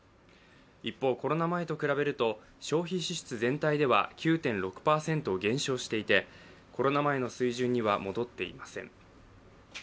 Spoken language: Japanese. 一方、コロナ前と比べると消費支出全体では９．６％減少していてコロナ前の水準には戻っていません。